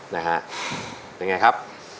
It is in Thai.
นะฮะเป็นไงครับ